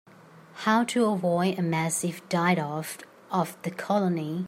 How to avoid a massive die-off of the colony.